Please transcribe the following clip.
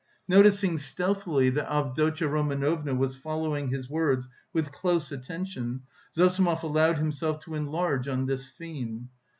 Noticing stealthily that Avdotya Romanovna was following his words with close attention, Zossimov allowed himself to enlarge on this theme.